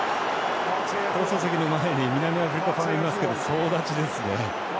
放送席の前に南アフリカファンがいますけど総立ちですね。